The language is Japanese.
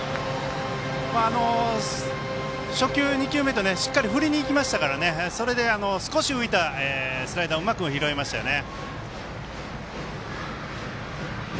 初球、２球目としっかり振りにいきましたからそれで少し浮いたスライダーをうまく拾いましたよね。